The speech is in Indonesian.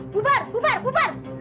bubar bubar bubar